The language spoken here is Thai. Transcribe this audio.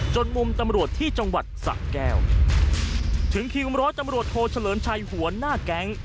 มุมตำรวจที่จังหวัดสะแก้วถึงคิวร้อยตำรวจโทเฉลิมชัยหัวหน้าแก๊ง